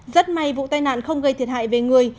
rất may vụ tai nạn không gây thiệt hại về người